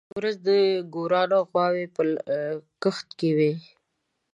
یوه ورځ د ګوروان غواوې په کښت کې وې.